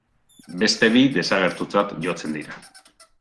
Beste bi desagertutzat jotzen dira.